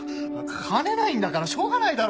金ないんだからしょうがないだろ。